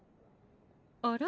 あら？